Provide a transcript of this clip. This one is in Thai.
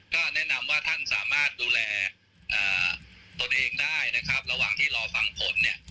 ก็แนะนำว่าท่านสามารถดูแลตนเองได้นะครับระหว่างที่รอฟังผลเนี่ย